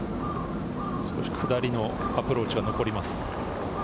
下りのアプローチが残ります。